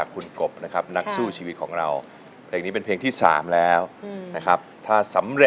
๔หมื่นบาทครับเป็นข้าวเธอ